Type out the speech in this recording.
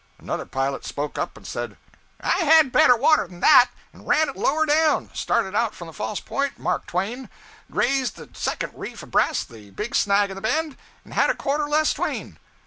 Another pilot spoke up and said 'I had better water than that, and ran it lower down; started out from the false point mark twain raised the second reef abreast the big snag in the bend, and had quarter less twain.'